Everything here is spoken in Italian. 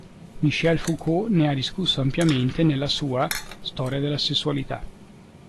Michel Foucault ne ha discusso ampiamente nella sua "Storia della sessualità".